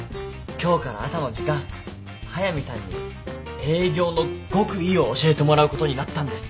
今日から朝の時間速見さんに営業の極意を教えてもらうことになったんです。